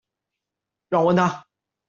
讓我問他